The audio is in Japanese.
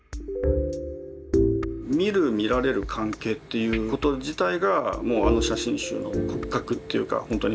見る見られる関係っていうこと自体がもうあの写真集の骨格というか本当に背骨になってる。